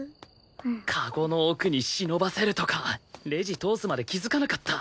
カゴの奥に忍ばせるとかレジ通すまで気づかなかった。